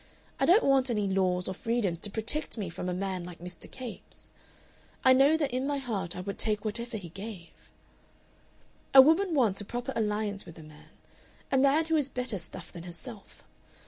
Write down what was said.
I don't want any laws or freedoms to protect me from a man like Mr. Capes. I know that in my heart I would take whatever he gave.... "A woman wants a proper alliance with a man, a man who is better stuff than herself.